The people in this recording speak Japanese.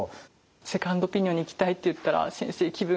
セカンドオピニオンに行きたいって言ったら先生気分